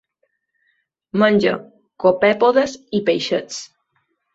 Menja copèpodes i peixets.